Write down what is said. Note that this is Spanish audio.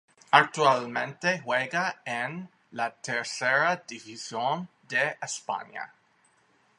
Actualmente juega en la Tercera División de España.